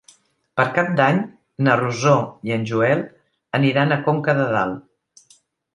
Per Cap d'Any na Rosó i en Joel aniran a Conca de Dalt.